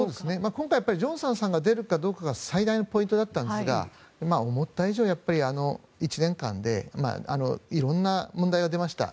今回はジョンソンさんが出るかどうかが最大のポイントだったんですが思った以上に、１年間で色んな問題が出ました。